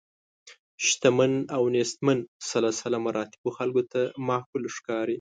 شتمن او نیستمن سلسله مراتبو خلکو ته معقول ښکاري.